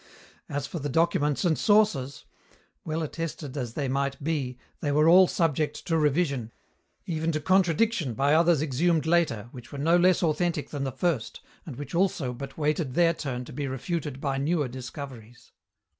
As for the documents and sources! Well attested as they might be, they were all subject to revision, even to contradiction by others exhumed later which were no less authentic than the first and which also but waited their turn to be refuted by newer discoveries.